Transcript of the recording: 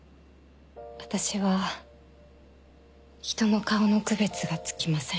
私は人の顔の区別がつきません